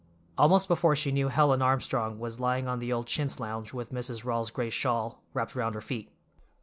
Almost before she knew Helen Armstrong was lying on the old chintz lounge with Mrs. Rawls's gray shawl wrapped around her feet.